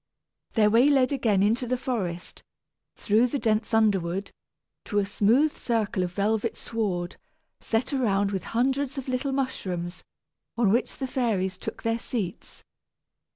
Their way led again into the forest, through the dense underwood, to a smooth circle of velvet sward, set around with hundreds of little mushrooms, on which the fairies took their seats.